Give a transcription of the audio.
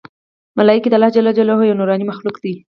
ملایکې د الله ج یو نورانې مخلوق دی